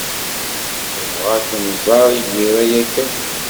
Nebɣa ad k-nẓer imir-a ya kan.